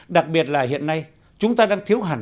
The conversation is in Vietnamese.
đặc biệt là hiện nay chúng ta đang thiếu hẳn